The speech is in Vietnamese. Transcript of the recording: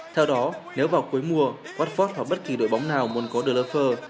theo đó nếu vào cuối mùa watford hoặc bất kỳ đội bóng nào muốn có liverpool